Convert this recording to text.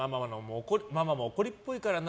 ママも怒りっぽいからな。